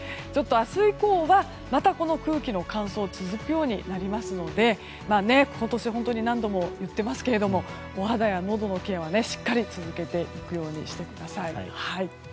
明日以降はまたこの空気の乾燥が続くことになりそうですので今年、本当に何度も言っていますがお肌やのどのケアはしっかり続けていくようにしてください。